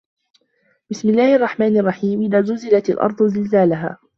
بِسمِ اللَّهِ الرَّحمنِ الرَّحيمِ إِذا زُلزِلَتِ الأَرضُ زِلزالَها